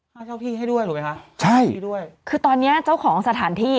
ให้เจ้าที่ให้ด้วยถูกไหมคะใช่ให้ด้วยคือตอนเนี้ยเจ้าของสถานที่